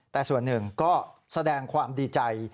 แต่ส่วนหนึ่งก็แสดงความดีใจ